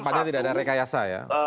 sepanjang tidak ada rekayasa ya